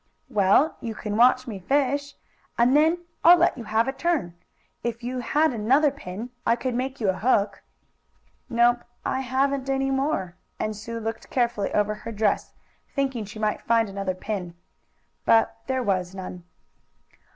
"Well, you can watch me fish, and then I'll let you have a turn. If you had another pin I could make you a hook." "Nope, I haven't anymore," and Sue looked carefully over her dress, thinking she might find another pin. But there was none.